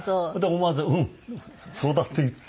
思わず「うんそうだ」って言って。